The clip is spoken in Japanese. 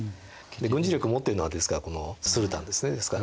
軍事力を持ってるのはですからこのスルタンですね。